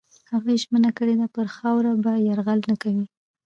هغوی ژمنه کړې ده پر خاوره به یرغل نه کوي.